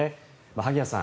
萩谷さん